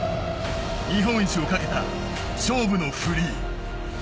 日本一をかけた勝負のフリー。